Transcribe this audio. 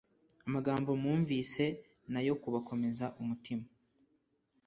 Amagambo mwumvise nayo kubakomeza umutima